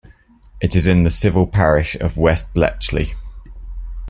It is in the civil parish of West Bletchley.